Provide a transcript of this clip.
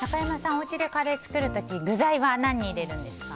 おうちでカレー作る時具材は何入れるんですか？